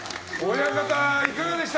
親方、いかがでした？